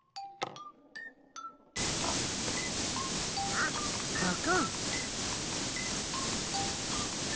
あっここ！